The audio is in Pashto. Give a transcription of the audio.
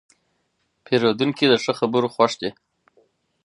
پیرودونکی د ښه خبرو خوښ دی.